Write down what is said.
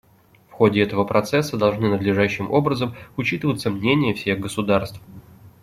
В ходе этого процесса должны надлежащим образом учитываться мнения всех государств.